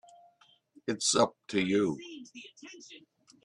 It's up to you.